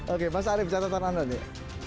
oke mas arief catatan anda nih